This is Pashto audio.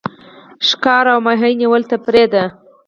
ښکار او کب نیول تفریح ده.